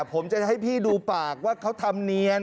ผมจะให้พี่ดูปากว่าเขาทำเนียน